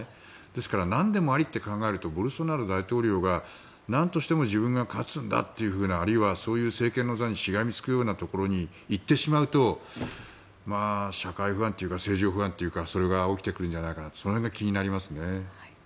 ですからなんでもありと考えるとボルソナロ大統領がなんとしても自分が勝つんだというふうなあるいはそういう政権の座にしがみつくようなところに行ってしまうと社会不安というか政情不安というかそれが起きてくるんじゃないかとその辺が気になりますね。